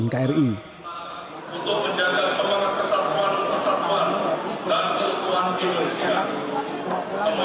untuk menjaga semangat kesatuan kesatuan dan keutuhan indonesia semua